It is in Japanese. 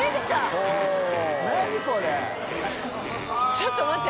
ちょっと待って。